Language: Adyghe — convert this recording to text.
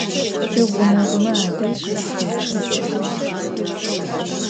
Tiğuneğume adej seççe.